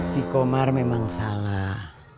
si komar memang salah